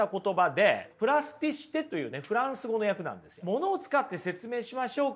ものを使って説明しましょうか。